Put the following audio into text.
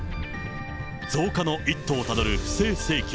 増加の一途をたどる不正請求。